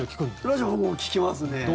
ラジオ聞きますね。